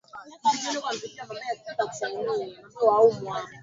Ongeza maji robo kwenye chungu cha kupikia au sufuria